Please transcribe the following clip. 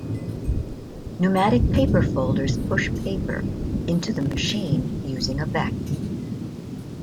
Pneumatic paper folders push paper into the machine using a vacuum.